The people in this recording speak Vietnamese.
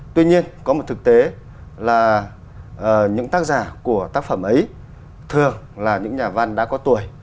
tuy nhiên có một thực tế là những tác giả của tác phẩm ấy thường là những nhà văn đã có tuổi